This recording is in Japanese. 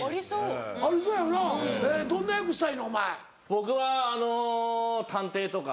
僕はあの探偵とか。